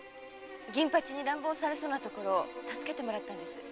銀八に乱暴されそうなところを助けてもらったんです。